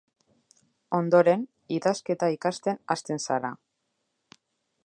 Ondoren, idazketa ikasten hasten zara.